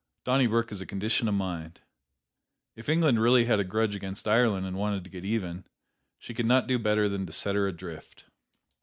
Donnybrook is a condition of mind. If England really had a grudge against Ireland and wanted to get even, she could not do better than to set her adrift.